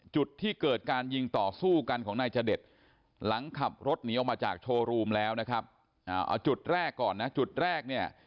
จุดที่เกิดการยิงต่อสู้กันของนายจเดชหลังขับรถหนีออกมาจากโชว์รูมแล้วนะครับเอาจุดแรกก่อนนะจุดแรกเนี่ย